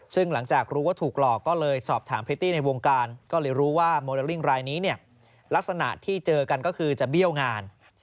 ซึ่งหลังจากรู้ว่าถูกหลอกก็เลยสอบถามพริตตี้ในวงการก็เลยรู้ว่าโมเดลลิ่งรายนี้เนี่ยลักษณะที่เจอกันก็คือจะเบี้ยวงาน